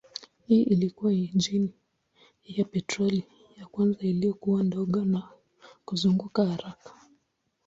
Hii ilikuwa injini ya petroli ya kwanza iliyokuwa ndogo na kuzunguka haraka.